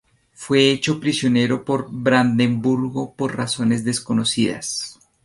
Fue hecho prisionero por Brandeburgo, por razones desconocidas.